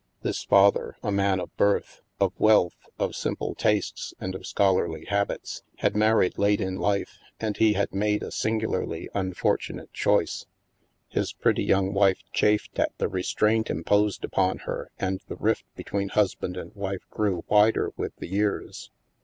This father, a man of birth, of wealth, of simple tastes, and of scholarly habits, had married late in life, and he had made a singu larly unfortunate choice. His pretty young wife chafed at the restraint imposed upon her and the rift between husband and wife grew wider with the years.